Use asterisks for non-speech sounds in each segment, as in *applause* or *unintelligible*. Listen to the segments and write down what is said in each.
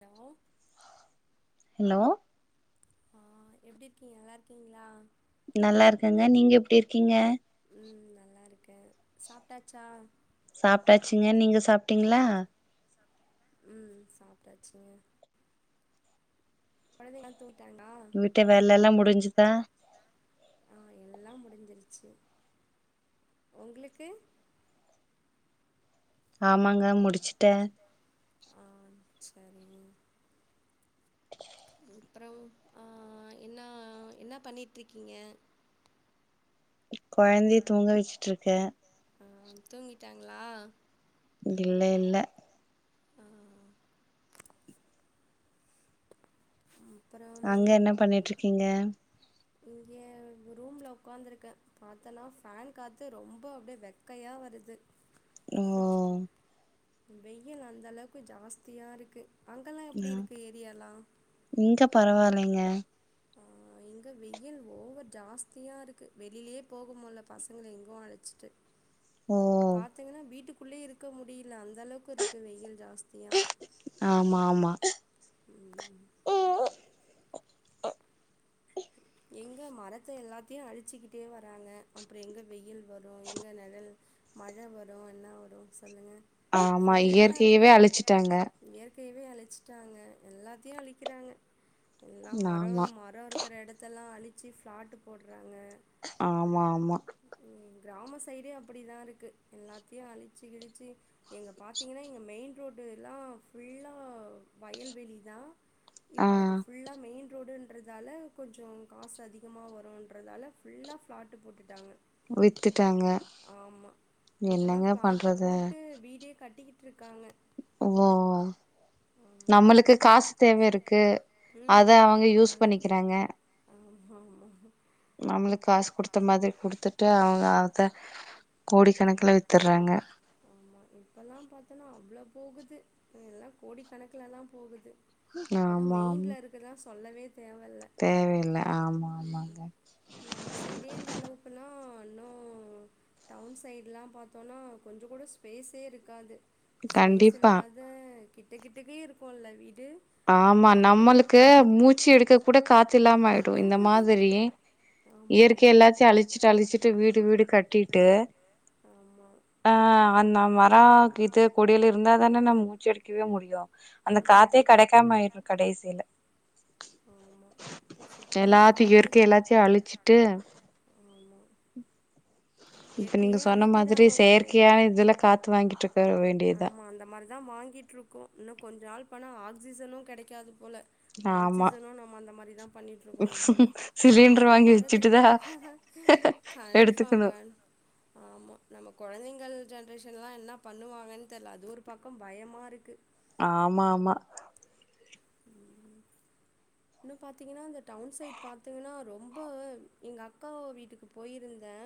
டேமோ hello ஆ எப்டி இருக்கீங்க நல்லா இருகீங்களா நல்லா இருக்கேங்க நீங்க எப்டி இருக்கீங்க ம் நல்லா இருக்கே சாப்டாச்சா சாப்டாச்சுங்க நீங்க சாப்டீங்களா ம் சாப்டாச்சுங்க கொழந்தைங்களா தூங்கி வீட்ல வேல எல்லா முடிஞ்சுதா ஆ எல்லா முடிஞ்சிருச்சு உங்களுக்கு ஆமாங்க முடிச்சுட்டே ஆ சரி அப்றோ ஆ எனா என்னா பண்ணிட்டுருக்கீங்க கொழந்தைய தூங்க வச்சிட்டு இருக்க ஆ தூங்கிடாங்களா இல்ல இல்ல ஆ அப்புறம் அங்க எனா பண்ணிட்டு இருகீங்க இங்கே ரூம்ல உக்காந்துருக்க காத்தலா ஃபேன் காத்து ரொம்ப அப்டியே வெக்கையா வருது ஓ ம் வெயில்அந்த அளவுக்கு ஜாஸ்தியா இருக்கு அங்கலா எப்புடி ஆ இருக்கு ஏரியாலா இங்க பரவாலைங்க *unintelligible* இங்க வெயில் ஓவர் ஜாஸ்தியாக இருக்கு வெளியிலே போக முல்ல பசங்கள எங்கு அழஞ்ச்சிட்டு ஓ பாத்தீங்னா வீட்டுக்குள்ளே இருக்க முடியில அந்த அளவுக்கு இருக்கு வெயில் ஜாஸ் யா ஆமா ஆமா இஹ் எங்க மரத்த எல்லாத்தையு அழிச்சிக்கிட்டே வராங்க அப்புறோ எங்க வெயில் வரு எங்க நெழல் மழ வரு என்ன வரு சொல்லுங்க ஆமா ஃபுல்லா இயற்கையவே கிராமியவே அழிச்சுட்டாங்க அழுச்சுட்டாங் இயற்கையவே அழிச்சுட்டாங்க எல்லாத்தையு அலிக்கிறாங்க எல்லா மரோ ஆமா மர இருக்குற எடத்தல்லா அழிச்சு ஃப்ளாட்டு் போடுறாங்க ஆமாஆமா ம் கிராம சைடே அப்டிதாஃ இருக்கு எல்லாத்தையு அழிச்சு கிழிச்சு எங்க பாத்தீங்கனா எங்க மெயின் ரோடுல்லாஃபுல்லா வயல்வெளி தா ஆ இப்ப அது ஃபுல்லா மெயின் ரோடுன் றதால கொஞ்சோ காசு அதிகமா வருன்றதால ஃபுல்லா ஃ பிளாட்டு் போட்டுட்டாங்க வித்துட்டாங்க ஆமா இப்பலா என்னங்க ஃப்ளாட்டு பண்றது போட்டு வீடே கட்டிக்கிட்டிருக்காங்க ஒவ்வவ்வாய் நம்மளுக்கு காசு தேவயிருக்கு அத அவங்க யூஸ் பண்ணிக்கிறாங்க ஆமா ஆமா நம்மளுக்கு காசு குடுத்த மாதிரி குடுத்துட்டு அவ் அத கோடி கணக்கில வித் த்திர்ராங்க ஆமா இப்பல்லாபாத்தனா அவ்ள போகுது எல்லாகோடி கணக்கலலா போகுது அது ஆமா மெய்ண்ல இருக்கதா சொல்லவே தேவல்ல தேவயில்ல ஆமா ஆமாங்க நம்ம சைடே இந்த அளவுக்குனா னொ டவுன் சைட்லா பாத் தோனா கொஞ்ச கூட ஸ்பேஸே இருக்காது ஸ்பேஸ் கண்டிப்பா இல்லாத் த கிட்ட கிட்டக் கே இருக்கோல்ல வீடு ஆமா நம்மளுக்கு மூச்சு எடுக்க கூட காத்து இல்லாம ஆயிடு இந்த மாதிரி அந்த மாதிரி ஆமா இயற்கை ஆமா எல்லாச்சையு அழிச்சிட்டு அழிச்சிட்டு வீடு வீடு கட்டிட்டு ஆமா ஆ அன்னா வரா கீட்து கொடியில இருந்தாதானே நம்ம உச்சரிக்க வே முடியு அந்த காத்தே கிடைக்காமயிடு கடைசில ஆமா சுத்தமா எல்லாத்தையு காத்து இயற்க்கை காத்து எல்லாத்தையு அழிச்சுட்டு ஆமா இப்ப நீங்க இயற்கையே சொன்ன மாதிரி அழிக்கிறாங்க எ செயற்கயா இதுல காத்து வாங்கிட்டு இருக்க வேணு ஆமா அந்த மாரிதா வாங்கிட்ருக்கோ இன்னு கொஞ்ச ஆள் போனா ஆக்சிஜனு கெடைக்காது போல ஆமா ஆக்சிஜனு நம்ம அந்த மாரிதா பண்ணிட்டு இருக்கணு போல சிலிண்டர் அப்புறோ வாங்கி மருது வச்சுட்டுதா கன்பார்ம் எடுத்துக்கணு கன்ஃப் ஆமா நம்ம கொழந்தைங்கள் ஜென்ரேஷன்லா என்ன பண்ணுவாங் கன் தெரியல அது ஒரு பக்கோ பயமா இருக்கு ஆமா ஆமா ம் இன்னு பாத்தீங்னா இந்த டவுன் சைட் பாத்தீங்னா ரொம்ப வ்வே எங்க அக்காவ் வீட்டுக்கு போயிருந்தே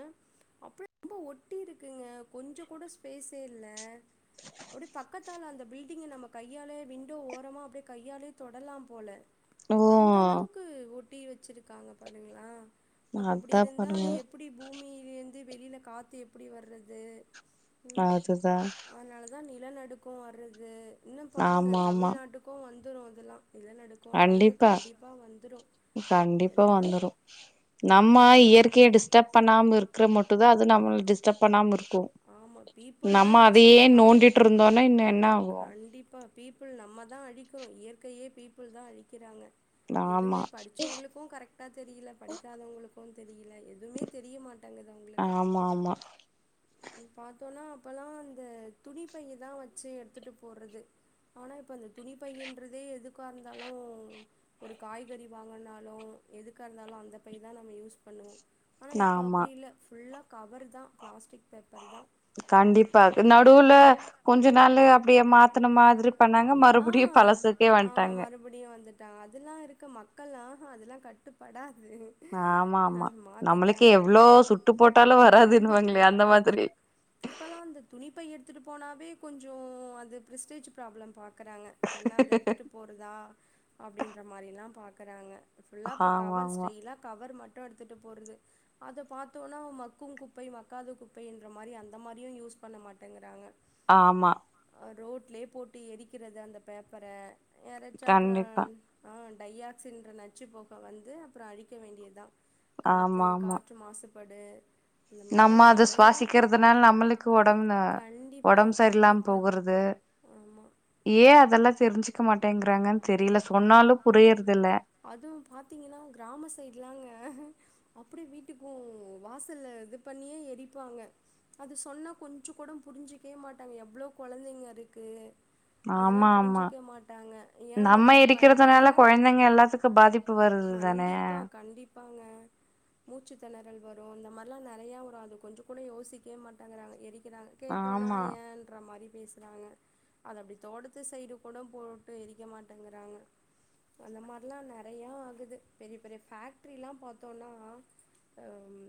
அப்டியே ரொம்ப ஒட்டி இருக்குங்க கொஞ்சோ கூட ஸ்பேஸே இல்ல அப்டியை பக்கத்தால அந்த பில்டிங்க நம்ம கையாலே விண்டோ ஓரமா அப்டியே கையாலே தொடலா போல ஓ அந்த அளவுக்கு ஒட்டி வச்சிருக்காங்க பாருங்ளே அப்ப இப்டி அதா இருந்தா பாருங்க எப் டி பூமியிலேருந்து வெளில காத்து எப்டி வர்றது அதுதா அதனால தா நிலநடுக்கோ வர்றது இன்னு பாருங்க ஆமா ஆமா தமிழ்நாட்டுக் கு வந்துடு அதெல்லா நிலநடுக்கோன்றது ப்பா கண்டிப்பா எல்லா வந்ரு நம்ம ஆமாம் இயற்கைய டிஸ்டப் பண்ணாம இருக்ற மட்டுதா அது நம்ல்ல டிஸ்டப் பண்ணாம இருக்கு ஆமாம் பீப்புள் தான் நம்ம இன்னும் அதையே சொல்லப்போனால் நோண்டிட்டிருந்தோனா இன்னு என்னாகு இப்ப பீப்புல் நம்ம தா அழிக்கிறோ இயற்கையே பீப்புல் தா அழிக்கிறாங்க ஆமா எதுமே படிச்சவங்ளுக்கு கரெக்டா தெரில படிக்காதவங்ளுக்கு தெரியில. எதுமே தெரியமாட்டாங்கது அவுங்ளுக்கு ஆமா ஆமா ம் பாத்தோனா அப்பல்லா அந்த துணி பையதா வச்சு எடுத்துட்டு போறது ஆனா இப்ப இந்த துணி பையின்றதே எதுக்காருந்தாலு ஒரு காய்கறி வாங்கனாலு எதுக்கா இருந்தாலு அந்த பைதா நம்ம யூஸ் பண்ணுவோ ஆனா இப்ப ஆமா அப்டி இல்ல புல்லா கவர் தா பிளாஸ்டிக் பேப்பர் தா கண்டிப்பா நடுவுல கொஞ்ச நாலு அப்டியே மாத்துன மாரி பண்ணாங்க மறுப்டியு பழசுக்கே வன்ட் மறுபடியு வந்துட்டா அதுலா இருக்க மக்கள் ஆஹ அதெலா கட்டுப்படாது ஆமா ஆமா நம்மளுக்கு மாற்றிட்டாங்க எவ்ளோ சுட்டு போட்டாலு வராதுனுவாங்ளே அந்த மாதிரி இப்பெல்லா அந்த துணிப்பை எடுத்துட்டு போனாவே கொஞ்சோ அது பிரிஸ்டேஜ் ப்ராப்ளம் பாக் றாங்க எல்லா அத எடுத்துட்டு போறதா அப்டின்ற மாரி எல்லா பாக்றாங்க ஃபுல்லா இப்ப ஆமா கவர் ஆமா ஸ்டைலா கவர் மட்டு எடுத்துட்டு போறது அத பாத்தோனா மக்கு குப்பை மக்காத குப் பைன்ற மாரி அந்த மாரியு யூஸ் பண்ண மாட்டேங்றாங்க ஆமா ரோட்லே போட்டு எரிக்கிறது அந்த பேப்பர யெரச்சா அப்ரோ கண்டிப்பா ஆ டையாக்சின்ற நச்சு பொக வந்து அப்ரோ அழிக்க வேண்டியதா காத்து ஆமா ஆமா காற்று மாசுபடு இந்த மார்லா நெ வாசிக்கிறதுனால நம்மளுக்கு ஒடம் அ கண்டிப்பா ஒடம்பு சரியில்லாம கண்டிப்பா போகுற து ஆமா ஏ அதெல்லா தெரிஞ்சுக்க மாட்டேங்றாங்கன் தெரில சொன்னாலு புரியறது இல்ல அது பாத்திங்கன்னா கிராம சைட்லாங்க அப்டி வீட்டுக்கு வாசல்ல இது பண்ணியே எரிப்பாங்க அது சொன்னா கொஞ்சோ கூட புரிஞ்சுக்கே மாட்டாங்க எவ்ளோ கொழந்தைங்க இருக்கு அதுலா ஆமா ஆமா புரிஞ்சுக்க மாட்டாங்க ஏ அந்த நம்ம மாரி எரிக்கறதுனால பண்றீங்கன்னா கொழந்தைங்க எல்லாத்துக்கு பாதிப்பு வருது தானே கண்டிப்பாங்க மூச்சுத்தெணறல் வரு இந்த மாரிலா நெறயா வரு அது கொஞ்சோ கூட யோசிக்கவே மாட்டேங்றாங்க எரிக்கிறாங்க கேட்டோனா ஆமா ஏன்ற மாரி பேசுறாங்க அது அப்டி தோட்டத்து சைடு கூட போட்டு எரிக் க மாட்டங்குராங்க அந்த மார்லா நெறையா ஆகுது பெரிய பெரிய ஃபேக்ட்ரில்லா பாத்தோனா அம்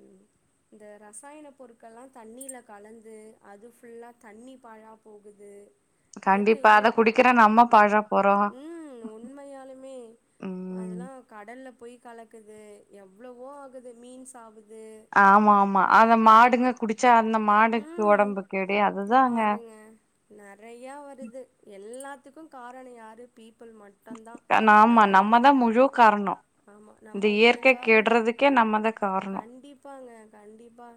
இந்த ரசாயன பொருட்கள் எல்லா தண்ணில கலந்து அது ஃபுல்லா தண்ணி பாலா போகுது கண்டிப்பா இயற்கைல அத குடிக்கிற நம்ம பாழா போறோ ம் உண்மையாலுமே ம் அதெலா கடலில போய் கலக்குது எவ்வளவோ ஆகுது மீன் ஆகுது ஆமா ஆமா அத மாடுங்க குடிச்சா அந்த மாடுக்கு ம் ஒடம்பு கேடு அதுதாங்க பாருங்க நெறையா வருது எல்லாத்துக்கு காரணனோ யாரு பீப்பிள் மட் தா ஆமா நம்ம நம்மதா முழு காரணோ ஆமா இந்த நம்ம இயற்கை ஒழுங்கா கெடுறதுக்கே நம்மதா காரணோ கண்டிப்பாங்க கண்டிப்பா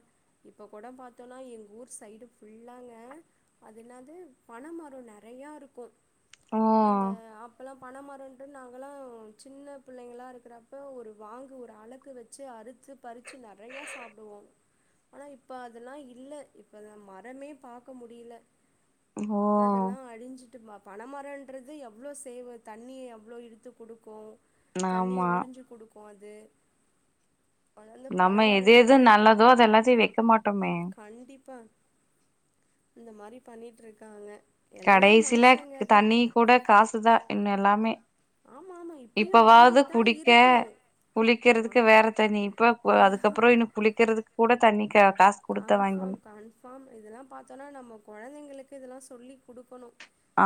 இப்போ கூட பார்த்தோன்னா எங்கள் ஊர் சைடு ஃபுல்லாங்க அது என்னது பண மரோ நெறையா இருக்கு ஓ அந்த அப்பலா பனமரோன்ட்டு நாங்கலா சின்ன பிள்ளங்களா இருக்கிறப்ப ஒரு வாங்கு ஒரு அளக்கு வச்சு அறுத்து பருச்சு நெறயா சாப்பிடுவோ ஆனா இப்ப அதெல்லா இல்ல இப்ப அந்த மரமே பாக்க முடியல ஓ அதெல்லா அழிஞ்சிட்டு பனமரோன்றது எப் அவ்ளோ சேவ தண்ணிய அவ்ளோ இழுத்து குடுக்கு தண்ணிய ஆமா உறிஞ்சு குடுக்கு அது வளர்ந்த பன நம்ம எது எது மரன்றதே நல்லதோ அது எல்லாத்தையு வெக்க மாட்டோமே கண்டிப்பா இந்த மாரி பண்ணிட்டு இருக்காங்க கடைசில தண்ணி கூட காசுதா இங்க எல்லாமே ஆமா ஆமா இப்பயு இப்பவாவது வாங்கிட்டு தா குடிக்க இருக்கோ குளிக்கிறதுக்கு வேற தண்ணி இப்ப அதுக்கப்பறோ இன்னோ குளிக்கிறதுக்கு கூட தண்ணி காசு குடுத்தா வாங்கணு கன்ஃபார்ம் கன்ஃபார்ம் இதெல்லா பாத்தோமன்னா நம்ம கொழந்தைங்களுக்கு இதெல்லா சொல்லி கொடுக்கணு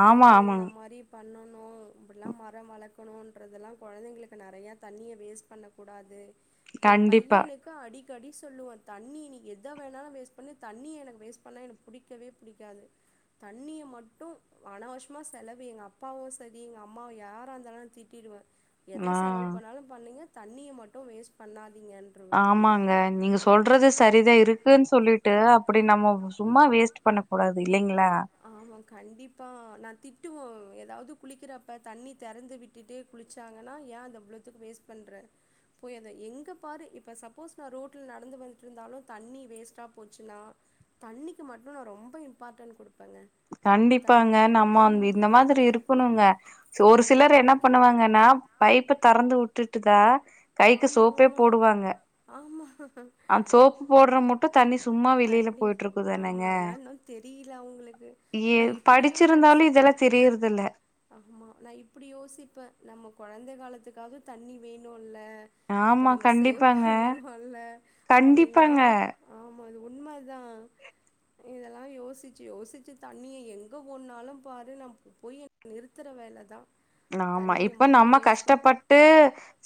ஆமா இயற்கை இந்த ஆமாங் மாரி பண்ணணு இப்படிலா மரம் வளர்க் ணும்ன்ற தெல்லா கொழந்தைங்களுக்கு நெறையா தண்ணிய வேஸ்ட் பண்ணக்கூடாது என் கண்டிப்பா பையனுக் க்கு அடிக்கடி சொல்லுவ தண்ணி நீ எது எத வேணாலு வேஸ்ட் பண்ணு தண்ணிய எனக்கு வேஸ்ட் பண்ணா எனக்கு பிடிக்கவே பிடிக்காது தண்ணிய மட்டு அனாவசியமா செலவு எங்க அப்பாவு செரி எங்க அம்மாவு யாரா இருந்தாலு தீட்டிடுவே எத ஆ செலவு பண்ணாலு பண்ணுங்க தண்ணிய மட்டு வேஸ்ட் பண்ணாதீங்க ஆமாங்க நீங்க சொல்றது சரிதே இருக்குன்னு சொல்லிட்டு அப்டி நம்ம சும்மா வேஸ்ட் பண்ண கூடாது இல்லைங்களா ஆமா கண்டிப்பா நா திட்டுவோ ஏதாவது குளிக்கிறப்ப தண்ணி திறந்து விட் விட்டுட்டே குளிச்சாங்கன்னா ஏ அந்த இவ்ளோத்துக்கு வேஸ்ட் பண்ற போய் அத எங்க பாரு இப்ப சப்போஸ் நா ரோட்டல நடந்து வந்துட்டு இருந்தாலு தண்ணி வேஸ்ட்டா போச்சுனா தண்ணிக்கு மட்டு நா ரொம்ப இம்பாட்டன்ட் கொடுப்பேங்க கண்டிப்பாங்க நம்ம வந்து இந்த மாதிரி இரு இருக்கனுங்க ஒரு சிலர் என்ன பண்ணுவாங்கன்னா பைப்ப தெறந்து விட்டுட்டுக கைக்கு ஆமா சோப்பே ஆமா போடுவாங்க ஆமா அ சோப்பு போடுற மட்டு தண்ணி சும்மா வெளியில கண்டிப் போயிட்டு ஆமா இருக்குதானங்க அதெல்லாம் இன்னும் தெரியல அவங்களுக்கு ஏ நான் இப்படியும் படிச்சிருந்தாலு இதெல்லா யோசிப்பேன் தெரியறதுல்ல ஆமா நா இப்படி யோசிப்பே நம்ம குழந்தை காலத்துக்காவது தண்ணி வேணுல்ல அப்ப ஆமா நம்ம சேவ் கண்டிப்பாங்க பண்ணணுல அப்டின்லா கண்டிப்பாங்க ஆ ஒரு உண்மதா இதெல்லா யோசிச்சு யோசிச்சு தண்ணிய எங்க மூடுனாலு பாரு நா போய் நிறுத்துற வேலதா ஆமா தண்ணிய இப்ப மட்டு நம்ம வேஸ்ட் பண் கஷ்டப்பட்டு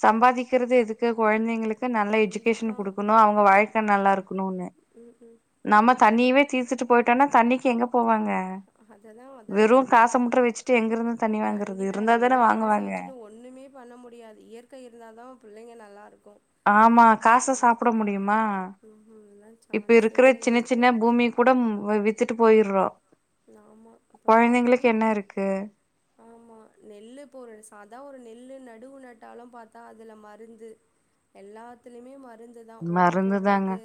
சம்பாதிக்கிறது எதுக்கு குழந்தைங்களுக் கு நல்ல எஜுகேஷன் கண்டிப்பா குடுக்கணு அவுங்க வாழ்க்க நல்லா இருக்கணுனு ம் ம் நம்ம தண்ணியவே தீர்த்துட்டு போயிட்டோனா தண்ணிக்கு எங்கே போவாங்க அததா அத வெறு காச மட்டுற வெச்சுட்டு எங்கிருந்து தண்ணி வாங்கற ப்பா வெறு காச வெச்சுட்டு ஒண்ணுமே பண்ண முடியாது இயற்கை இருந்தாதா பிள்ளைங்க நல்லாருக்கு ஆமா காச சாப்புட முடியுமா ம் ம் அதல்லா இப்ப சான்ஸே இருக்கிற இல்ல சின்ன இயற்கை சின்ன பூமி கூடம் வ வித்துட்டு போயிற்றோ ஆமா இப்ப பாத்தோன் குழந்திங்ளுக்கு என்ன இருக்கு ஆமா நெல்லு இப்போ ஒரு சாதா ஒரு நெல்லு நடுவு நட்டாலு பாத்தா அதுல மருந்து எல்லாத்துலியுமே மருந்துதா உரம் மருந்து தாங்க போட்றது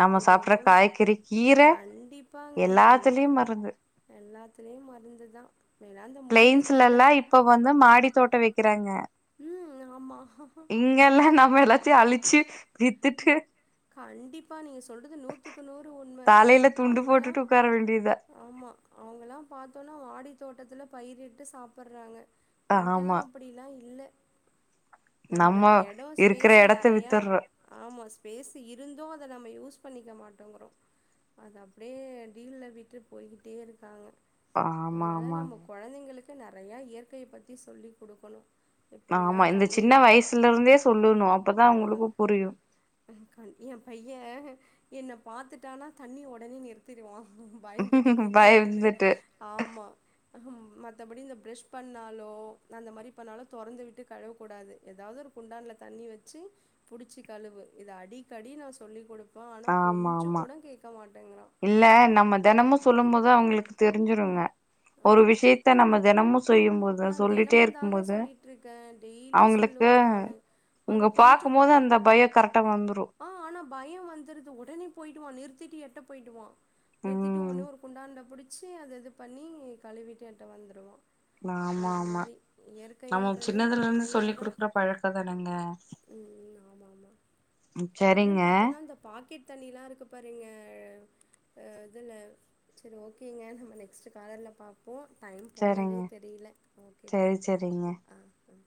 நம்ம சாப்ட்ற எதோதோ காய்கறி கீர கண்டிப்பாங்க எல்லா எல்லாத்துலயு மருந்து எல்லாத்துலயு மருந்துதா வேணா அந்த முருங்க கீர எல்லா இப்ப வந்து மாடி தோட்ட வைக்கிறாங்க ம் ஆமா இங்க எல்லா நம்ம எல்லாத்தியு அழிச்சு வித்துட்டு கண்டிப்பா நீங்க சொல்றது நூத்துக்கு நூறு உண்ம தலையில துண்டு அவுங்களா போட்டுட்டு உட்கார வேண்டியதா ஆமா அவுங்கல்லா பாத்தோனா வாடி தோட்டத்தில பயிரிட்டு சாப்பிற்றாங்க இங்கெல்லா ஆமா அப்படிலா இல்ல நம்ம நம்மளுக்கு எடோ இருக்கிற ஸ்பேஸு எடத்த நெறையா வித்துர்றோ ஆமா ஸ்பேஸு இருந்து அத நம்ம யூஸ் பண்ணிக்க மாட்டோங்கிறோ அது அப்புடே டீலல விட்டு போய்கிட்டே இருக்காங்க ஆமா அதனால நம்ம ஆமாங்க குழந்தைங்களுக்கு நெறைய இயற்கைய பத்தி சொல்லி குடுக்கணு எப்டிலா ஆமா இந்த தண்ணி சின்ன வயசுல இருந்தே சொல்லுணு அப்பதா அவுங்களுக்கு புரியு கண் எ பையன் என்ன பாத்துட்டானா தண்ணி ஒடனே நிறு த்திருவா பயந்துட்டு திட்டுவன்னு பயந்துட்டு ஆமா மத்தபடி இந்த ப்ரஷ் பண்ணாலோ அந்த மாரி பண்ணாலோ தொறந்து விட்டு கழுவக்கூடாது எதாவ்து ஒரு குண்டான்ல தண்ணி வெச்சு புடிச்சி கழுவு இத அடிக்கடி நா சொல்லி குடுப்பே ஆனா ஆமா கொஞ்ச ஆமா கூட கேக்க மாட்டேங்கிறா இல்ல நம்ம தெனமு சொல்லும் போது அவுங்களுக்கு தெரிஞ்சுருங்க ஒரு விஷியத் த நம்ம தெனமு செய்யும் போ து நா சொல்லிட்டே தினமும் தாங்க இருக்கும்போது சொல்லிட்டு இருக்கே டெய்லி அவுங்களுக்கு சொல்லுவே நானு அது உங்க கொஞ்சோ பாக்குமோது கூட அந்த பய கரெக்டா வந்துரு ஆ ஆனா பயோ வந்துருது ஒடனே போயிடுவா நிறுத்திட்டு எட்ட போய்டுவா நிறுத்திட்டு ஒன்னே ம் ஒரு குண்டான்ல புடிச்சி அத இது பண்ணி கழுவிட்டு என்ட்ட வந்துருவா ஆமா அந்த ஆமா மாரி நம்ம இயற்கைன்றது சின்னதுல நம்ம இருந்து சொல்லி் கைலதா குடுக்குற பழக்கோ தானங்க ம் ஆமா ஆமா ம் இன்னு சரிங்க பாத்தோன்னா இந்த பாக்கெட் தண்ணிலா இருக்கு பாருங்க அ அ இதுல செரி ஓகேங்க நம்ம நெக்ஸ்டு காலர்ல பாப் போ டைம் போனதே சரிங்க தெரியில ஓகேப்பா சரி சரிங்க ஆ அ